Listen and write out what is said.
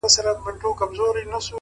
پوهه د انتخابونو وزن درک کوي,